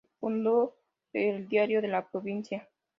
Fundó el diario "La Provincia".